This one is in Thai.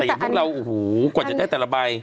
อย่างพวกเราโอ้โหกว่าจะได้แต่ละใบ